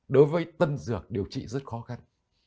đối với tân dược điều trị rất khó khăn